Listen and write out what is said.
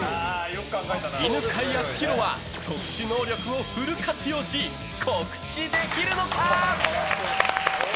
犬飼貴丈は特殊能力をフル活用し告知できるのか？